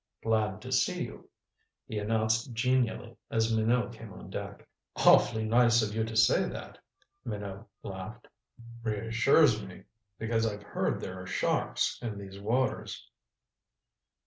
"Glad to see you," he announced genially as Minot came on deck. "Awfully nice of you to say that," Minot laughed. "Reassures me. Because I've heard there are sharks in these waters."